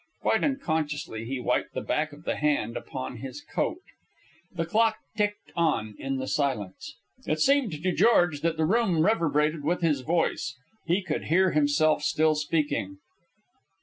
Quite unconsciously he wiped the back of the hand upon his coat. The clock ticked on in the silence. It seemed to George that the room reverberated with his voice. He could hear himself still speaking.